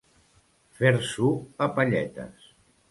Fer-s'ho a palletes.